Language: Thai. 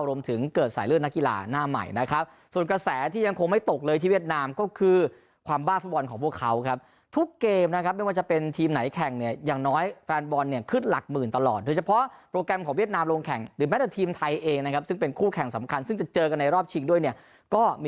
รวมถึงเกิดสายเลือดนักกีฬาหน้าใหม่นะครับส่วนกระแสที่ยังคงไม่ตกเลยที่เวียดนามก็คือความบ้าฟุตบอลของพวกเขาครับทุกเกมนะครับไม่ว่าจะเป็นทีมไหนแข่งเนี่ยอย่างน้อยแฟนบอลเนี่ยขึ้นหลักหมื่นตลอดโดยเฉพาะโปรแกรมของเวียดนามลงแข่งหรือแม้แต่ทีมไทยเองนะครับซึ่งเป็นคู่แข่งสำคัญซึ่งจะเจอกันในรอบชิงด้วยเนี่ยก็มี